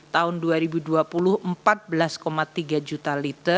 tahun dua ribu dua puluh empat belas tiga juta liter